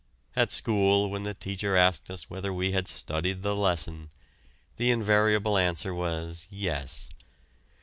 At school when the teacher asked us whether we had studied the lesson, the invariable answer was Yes.